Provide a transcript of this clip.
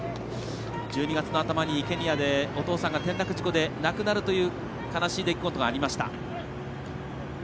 １２月の頭にケニアでお父さんが転落事故で亡くなるという悲しい事故がありました。